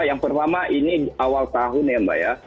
yang pertama ini awal tahun ya mbak ya